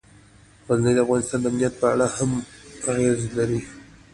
غزني د افغانستان د امنیت په اړه هم اغېز لري.